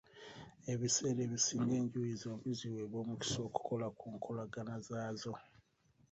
Ebiseera ebisinga enjuyi zombi ziweebwa omukisa okukola ku nkolagana zaazo.